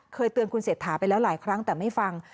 เคยเตือนคุณเศรษฐาไปแล้วหลายครั้งแต่ไม่ฟัง